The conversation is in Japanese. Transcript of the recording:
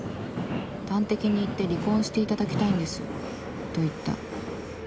「端的に言って離婚していただきたいんです」と言った。